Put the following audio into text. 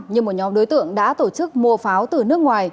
nhưng một nhóm đối tượng đã tổ chức mua pháo từ nước ngoài